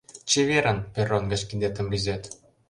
— Чеверын! — перрон гыч кидетым рӱзет